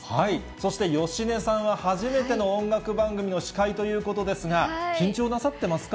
そして芳根さんは、初めての音楽番組の司会ということですが、緊張なさってますか？